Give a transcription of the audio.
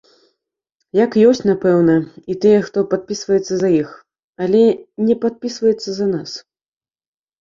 Як ёсць, напэўна, і тыя, хто падпісваецца за іх, але не падпісваецца за нас.